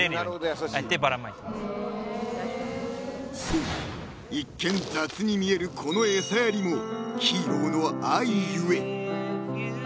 ［そう一見雑に見えるこの餌やりもヒーローの愛故］